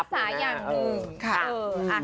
มันคือการรักษาอย่างหนึ่ง